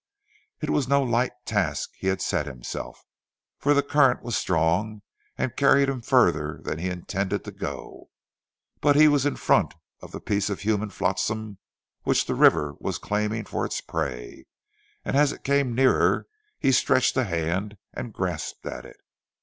It was no light task he had set himself, for the current was strong, and carried him further than he intended to go, but he was in front of the piece of human flotsam which the river was claiming for its prey, and as it came nearer he stretched a hand and grasped at it.